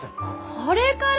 これから！？